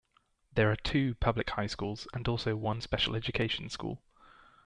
There are two public high schools, and also one special education school.